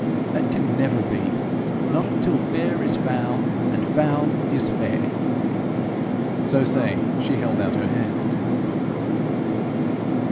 That can never be not until fair is foul and foul is fair.' So saying, she held out her hand.